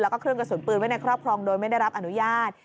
แล้วก็เครื่องกระสุนปืนไว้ในครอบครองโดยไม่ได้รับอนุญาต